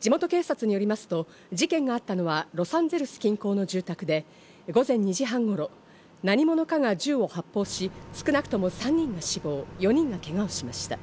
地元警察によりますと事件があったのはロサンゼルス近郊の住宅で午前２時半頃、何者かが銃を発砲し、少なくとも３人が死亡、４人がけがをしました。